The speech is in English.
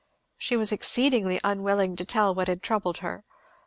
She was exceeding unwilling to tell what had troubled her.